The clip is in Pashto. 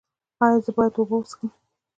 ایا زه باید اوبه وڅښم؟